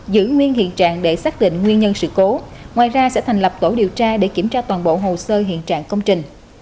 giữ nguyên hiện trạng để xác định nguyên nhân sự cố ngoài ra sẽ thành lập tổ điều tra để kiểm tra toàn bộ hồ sơ hiện trạng công trình